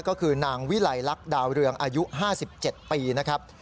ก็คือนางวิลัยลักษณ์ดาวเรืองอายุ๕๗ปีนะครับ